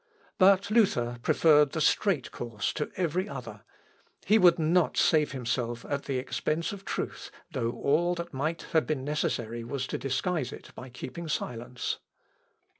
But Luther preferred the straight course to every other: he would not save himself at the expense of truth though all that might have been necessary was to disguise it by keeping silence.